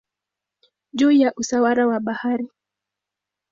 juu ya usawa wa bahari.